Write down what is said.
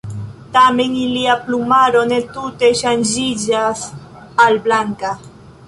Tamen ilia plumaro ne tute ŝanĝiĝas al blanka.